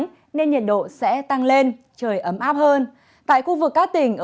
thân nhân đối tượng